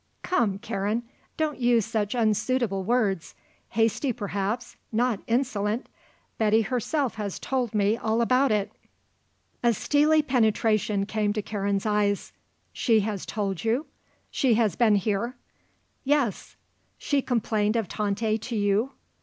"Come, Karen; don't use such unsuitable words. Hasty perhaps; not insolent. Betty herself has told me all about it." A steely penetration came to Karen's eyes. "She has told you? She has been here?" "Yes." "She complained of Tante to you?"